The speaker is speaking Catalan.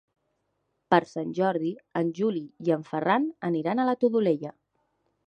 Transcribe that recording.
Per Sant Jordi en Juli i en Ferran aniran a la Todolella.